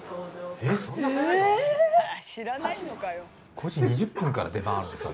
ええっ５時２０分から出番あるんですか